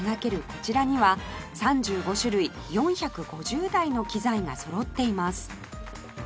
こちらには３５種類４５０台の機材がそろっています